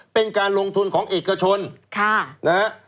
เป็นการลงทุนของเอกชนนะฮะ